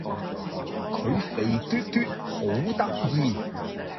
佢肥嘟嘟好得意